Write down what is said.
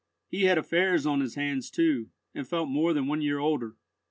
He had affairs on his hands too, and felt more than one year older.